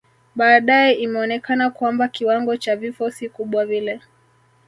Baadae imeonekana kwamba kiwango cha vifo si kubwa vile